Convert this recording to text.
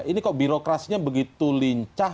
ini kok birokrasinya begitu lincah